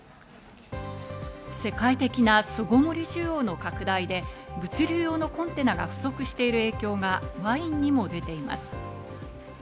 世界的な巣ごもり需要の拡大で物流用のコンテナが不足している影響がワインにも出ています。